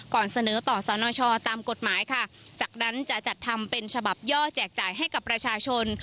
เสนอต่อสนชตามกฎหมายค่ะจากนั้นจะจัดทำเป็นฉบับย่อแจกจ่ายให้กับประชาชน